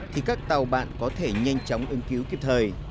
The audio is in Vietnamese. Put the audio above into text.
thì các tàu bạn có thể nhanh chóng ứng cứu kịp thời